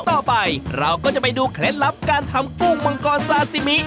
ต่อไปเราก็จะไปดูเคล็ดลับการทำกุ้งมังกรซาซิมิ